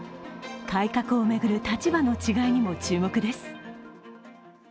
改革を巡る立場の違いにも注目です。